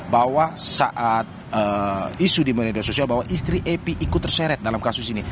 bahwa saat isu di media sosial bahwa istri epi ikut terseret dalam kasus ini